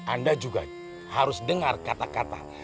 anda juga harus dengar kata kata